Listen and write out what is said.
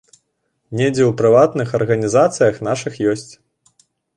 Недзе ў прыватных арганізацыях нашых ёсць.